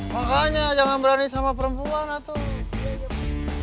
makanya jangan berani sama perempuan lah tuh